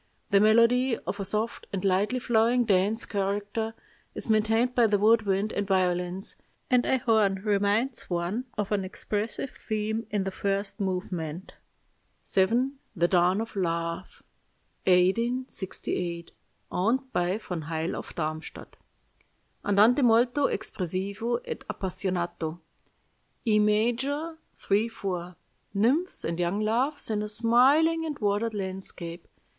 The melody, of a soft and lightly flowing dance character, is maintained by the wood wind and violins, and a horn reminds one of an expressive theme in the first movement. "VII. THE DAWN OF LOVE (1868; owned by von Heyl of Darmstadt) "Andante molto espressivo ed appassionato, E major, 3 4. Nymphs and young loves in a smiling and watered landscape.